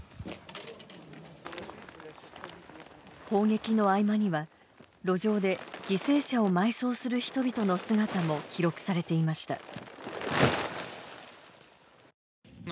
砲撃の合間には路上で犠牲者を埋葬する人々の姿も記録されていました。